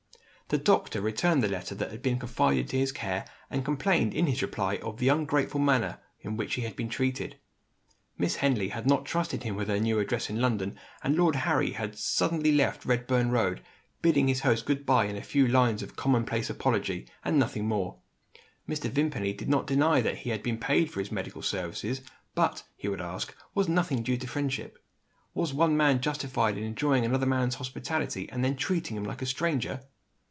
The doctor returned the letter that had been confided to his care, and complained in his reply of the ungrateful manner in which he had been treated. Miss Henley had not trusted him with her new address in London; and Lord Harry had suddenly left Redburn Road; bidding his host goodbye in a few lines of commonplace apology, and nothing more. Mr. Vimpany did not deny that he had been paid for his medical services; but, he would ask, was nothing due to friendship? Was one man justified in enjoying another man's hospitality, and then treating him like a stranger?